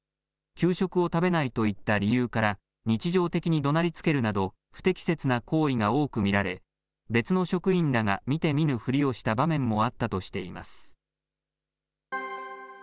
給食を食べないといった理由から、日常的にどなりつけるなど、不適切な行為が多く見られ、別の職員らが見て見ぬふりをした場面もあったとしています。